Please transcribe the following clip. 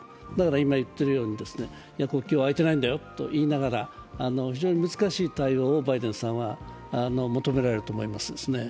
今言っているように国境は開いていないんだよと言いながら、非常に難しい対応をバイデンさんは求められると思いますね。